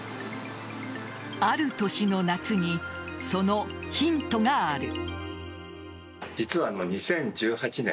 ある年の夏にそのヒントがある。